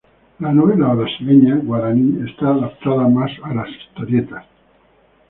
La novela brasileña Guaraní está adapta más a las historietas.